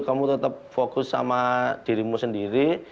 kamu tetap fokus sama dirimu sendiri